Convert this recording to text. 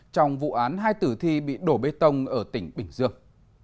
trong vụ án hai tử thi bị đổ bê tông ở tỉnh bình dương